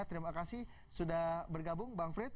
terima kasih sudah bergabung bang frits